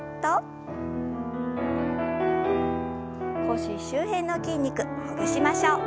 腰周辺の筋肉ほぐしましょう。